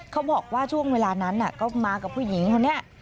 เขาบอกว่าช่วงเวลานั้นก็มากับผู้หญิงคนนี้